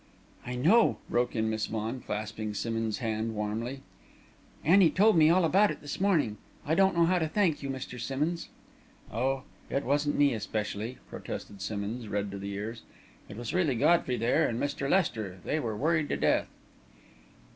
"I know," broke in Miss Vaughan, clasping Simmonds's hand warmly. "Annie told me all about it this morning. I don't know how to thank you, Mr. Simmonds." "Oh, it wasn't me, especially," protested Simmonds, red to the ears. "It was really Godfrey there, and Mr. Lester. They were worried to death."